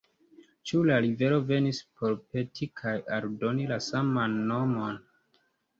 Ĉu la rivero venis por peti kaj aldoni la saman nomon?